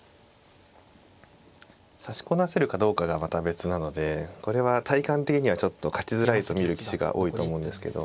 指しこなせるかどうかがまた別なのでこれは体感的にはちょっと勝ちづらいと見る棋士が多いと思うんですけど。